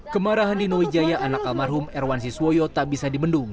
kemarahan di nujaya anak almarhum erwansi swoyo tak bisa dibendung